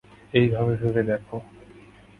এইভাবে ভেবে দেখো।